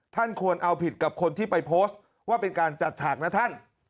ท่านควรเอาผิดกับคนที่ไปโพสต์ว่าเป็นการจัดฉากนะท่าน